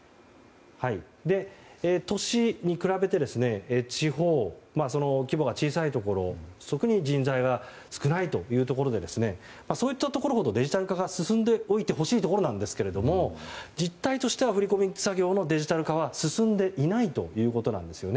都市に比べて地方規模が小さいところに特に人材が少ないというところではそういったところほどデジタル化が進んでおいてほしいところなんですが実態としては振り込み作業のデジタル化は進んでいないということです。